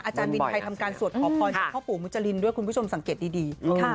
อาจารย์วินไทยทำการสวดพอพลพ่อปู่มุจรินด้วยคุณผู้ชมสังเกตดี